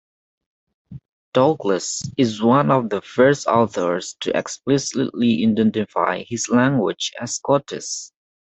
Douglas is one of the first authors to explicitly identify his language as "Scottis".